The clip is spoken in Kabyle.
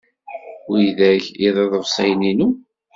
Widak d iḍebsiyen-inu.